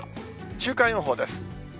週間予報です。